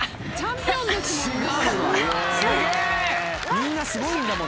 みんなすごいんだもん。